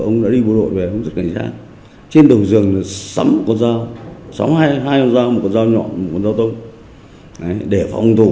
như sung thịv b dentia